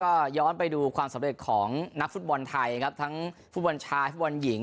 ก็ย้อนไปดูความสำเร็จของนักฟุตบอลไทยครับทั้งฟุตบอลชายฟุตบอลหญิง